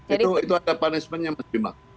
betul itu ada punishmentnya mas jimak